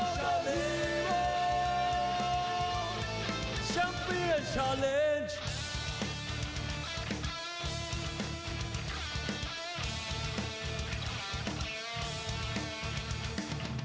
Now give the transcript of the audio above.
มาจังหวะโดนเนี่ยแกโครงเพลงให้เห็นเลยครับ